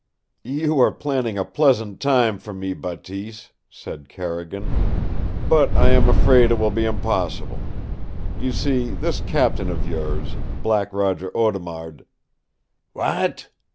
"You are planning a pleasant time for me, Bateese," said Carrigan, "but I am afraid it will be impossible. You see, this captain of yours, Black Roger Audemard " "W'at!"